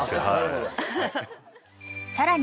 ［さらに］